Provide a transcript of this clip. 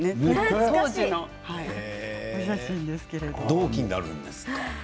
同期になるんですか？